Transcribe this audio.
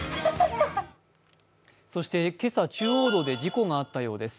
今朝、中央道で事故があったようです。